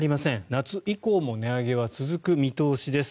夏以降も値上げは続く見通しです。